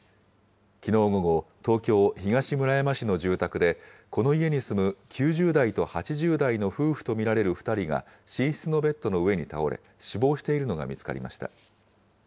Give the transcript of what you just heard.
きのう午後、東京・東村山市の住宅で、この家に住む９０代と８０代の夫婦と見られる２人が、寝室のベッドの上に倒れ、死亡しているのが見つかりました。